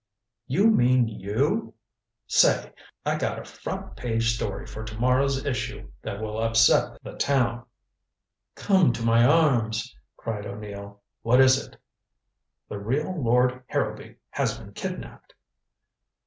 "You mean you Say! I've got a front page story for to morrow's issue that will upset the town." "Come to my arms," cried O'Neill. "What is it?" "The real Lord Harrowby has been kidnaped."